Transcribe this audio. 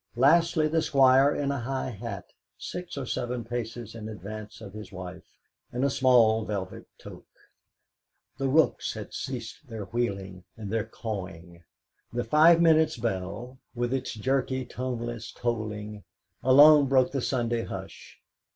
Lastly, the Squire in a high hat, six or seven paces in advance of his wife, in a small velvet toque. The rooks had ceased their wheeling and their cawing; the five minutes bell, with its jerky, toneless tolling, alone broke the Sunday hush.